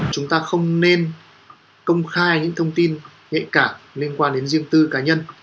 chúng ta không nên công khai những thông tin nhẹ cả liên quan đến riêng tư cá nhân